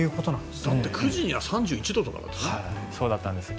だって９時には３１度とかだったんだよ。